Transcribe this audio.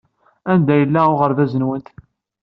Anda yella uɣerbaz-nwent?